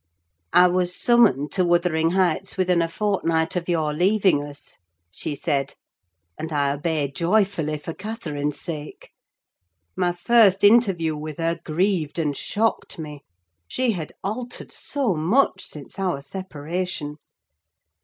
I was summoned to Wuthering Heights, within a fortnight of your leaving us, she said; and I obeyed joyfully, for Catherine's sake. My first interview with her grieved and shocked me: she had altered so much since our separation.